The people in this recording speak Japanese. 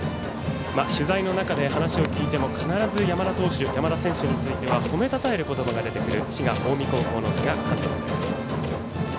取材の中で、話を聞いても必ず山田選手について褒め称える言葉が出てくる滋賀、近江高校の多賀監督です。